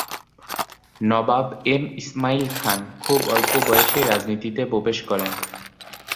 নবাব M Ismail Khan খুব অল্প বয়সেই রাজনীতিতে প্রবেশ করেন।